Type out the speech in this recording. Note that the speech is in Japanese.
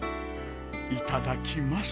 いただきます。